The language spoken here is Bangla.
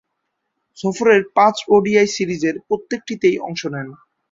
সফরের পাঁচ ওডিআই সিরিজের প্রত্যেকটিতেই অংশ নেন।